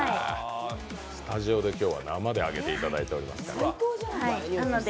スタジオで今日は生で揚げていただいていますから。